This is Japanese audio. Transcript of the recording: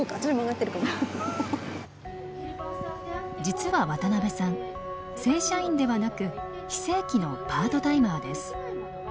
実は渡邊さん正社員ではなく非正規のパートタイマーです。